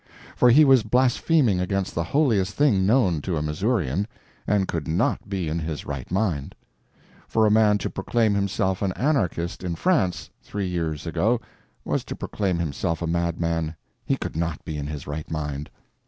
For he was blaspheming against the holiest thing known to a Missourian, and could NOT be in his right mind. For a man to proclaim himself an anarchist in France, three years ago, was to proclaim himself a madman—he could not be in his right mind.